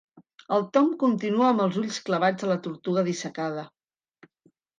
El Tom continua amb els ulls clavats a la tortuga dissecada.